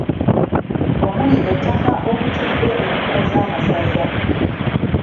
Omuli ettaka okutudde embuga z’amasaza.